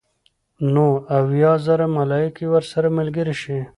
نو اويا زره ملائک ورسره ملګري شي